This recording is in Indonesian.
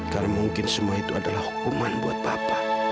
karena mungkin semua itu adalah hukuman buat bapak